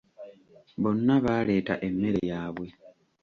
Bonna baaleta emmere yabwe.